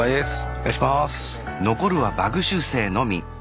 お願いします。